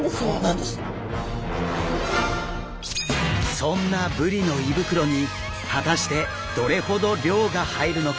そんなブリの胃袋に果たしてどれほど量が入るのか？